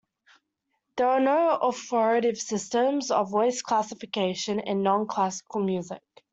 There is no authoritative system of voice classification in non-classical music.